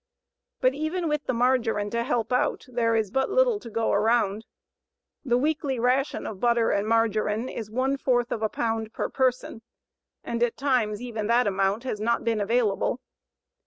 But even with the margarine to help out, there is but little to go around. The weekly ration of butter and margarine is one fourth of a pound per person, and at times even that amount has not been available.